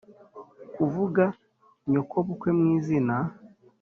kuvuga nyokobukwe mu izina